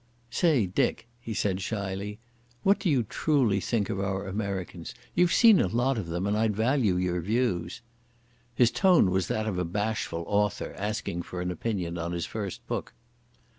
"Say, Dick," he said shyly, "what do you truly think of our Americans? You've seen a lot of them, and I'd value your views." His tone was that of a bashful author asking for an opinion on his first book.